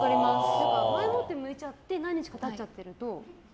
前もって、むいちゃって何日か経っちゃってると。